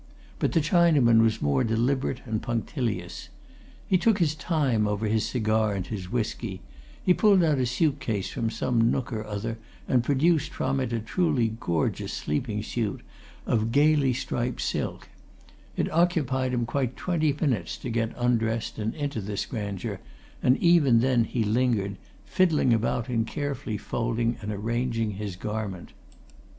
But the Chinaman was more deliberate and punctilious. He took his time over his cigar and his whisky; he pulled out a suit case from some nook or other and produced from it a truly gorgeous sleeping suit of gaily striped silk; it occupied him quite twenty minutes to get undressed and into this grandeur, and even then he lingered, fiddling about in carefully folding and arranging his garment.